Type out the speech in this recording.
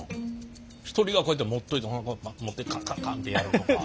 １人がこうやって持っといて持ってカンカンカンッてやるとか。